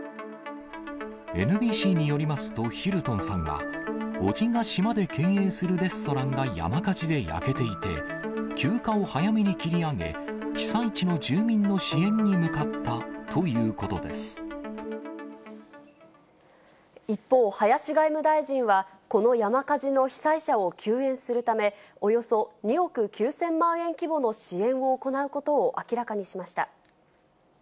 ＮＢＣによりますと、ヒルトンさんは、おじが島で経営するレストランが山火事で焼けていて、休暇を早めに切り上げ、被災地の住民の支援に向かったということ一方、林外務大臣は、この山火事の被災者を救援するため、およそ２億９０００万円規模の支援を行うことを明らかにしました。